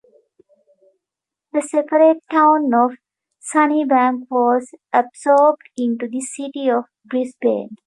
The separate Town of Sunnybank was absorbed into the City of Brisbane.